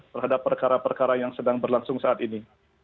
terhadap perkara perkara yang sedang berlangsung saat ini